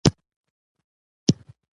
چټک خدمات کیفیت ته اړتیا لري.